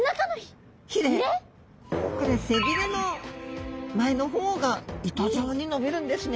これ背びれの前の方が糸状に伸びるんですね。